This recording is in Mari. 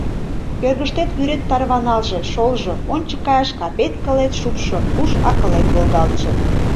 Кӧргыштет вӱрет тарваналже, шолжо; ончык каяш капет-кылет шупшшо, уш-акылет волгалтше...